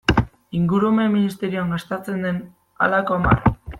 Ingurumen ministerioan gastatzen den halako hamar.